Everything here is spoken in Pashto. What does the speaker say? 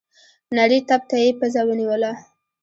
نري تپ ته يې پزه ونيوله.